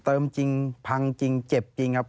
จริงพังจริงเจ็บจริงครับ